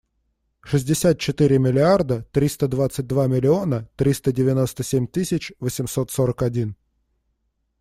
Шестьдесят четыре миллиарда триста двадцать два миллиона триста девяносто семь тысяч восемьсот сорок один.